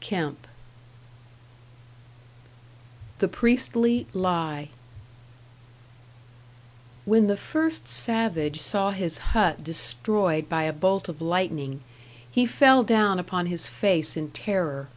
Kemp. #The Priestly Lie# When the first savage saw his hut destroyed by a bolt of lightning, he fell down upon his face in terror.